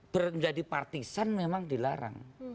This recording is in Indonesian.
menjadi partisan memang dilarang